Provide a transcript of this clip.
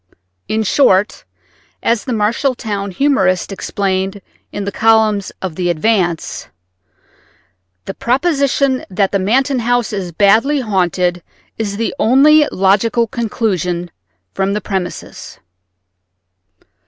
In short, as the Marshall town humorist explained in the columns of the Advance, "the proposition that the Manton house is badly haunted is the only logical conclusion from the premises."